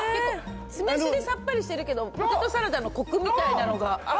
酢飯でさっぱりしてるけど、ポテトサラダのこくみたいなのが。